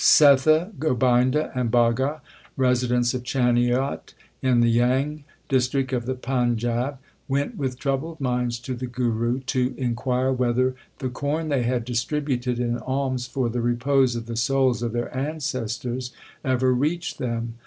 Setha, Gobinda and Bhaga, residents of Chaniot in the Jhang district of the Panjab, went with troubled minds to the Guru to inquire whether the corn they had distributed in alms for the repose of the souls of their ancestors ever reached them.